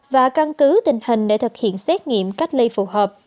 và căn cứ tình hình để thực hiện xét nghiệm cách ly phù hợp